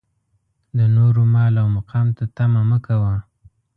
د نورو مال او مقام ته طمعه مه کوه.